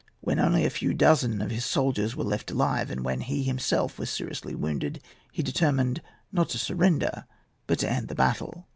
When only a few dozen of his soldiers were left alive, and when he himself was seriously wounded, he determined, not to surrender, but to end the battle.